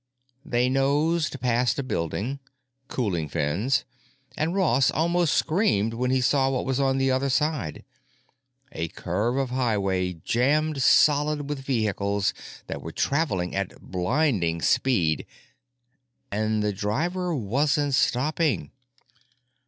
They nosed past a building—cooling fins—and Ross almost screamed when he saw what was on the other side: a curve of highway jammed solid with vehicles that were traveling at blinding speed. And the driver wasn't stopping.